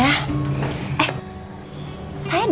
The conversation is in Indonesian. eh saya dapet